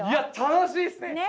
いや楽しいっすね！